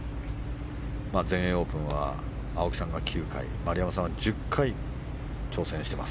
全英オープンは青木さんが９回丸山さんは１０回挑戦しています。